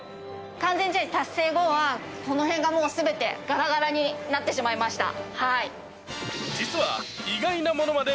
完全試合達成後は、この辺がもうすべてがらがらになってしまいました。